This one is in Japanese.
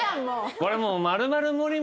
これもう。